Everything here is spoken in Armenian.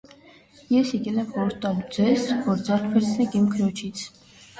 ես եկել եմ խորհուրդ տալու ձեզ, որ ձեռք վերցնեք իմ քրոջից: